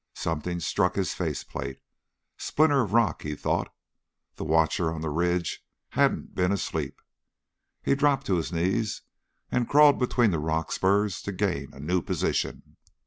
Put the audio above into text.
Something struck his face plate. Splinter of rock, he thought. The watcher on the ridge hadn't been asleep. He dropped to his knees and crawled between the rock spurs to gain a new position.